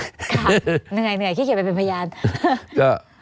เหนื่อยขี้เกียจไปเป็นพยาน